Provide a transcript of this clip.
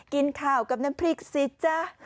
กินข้าวกับน้ำพริกสิจ๊ะ